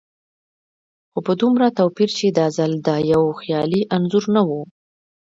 خو په دومره توپير چې دا ځل دا يو خيالي انځور نه و.